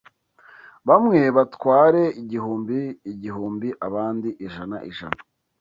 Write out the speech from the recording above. Bamwe batware igihumbi igihumbi, abandi ijana ijana